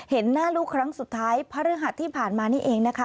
เห็นหน้าลูกครั้งสุดท้ายพระฤหัสที่ผ่านมานี่เองนะคะ